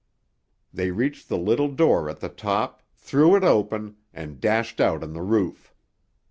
They reached the little door at the top, threw it open, and dashed out on the roof.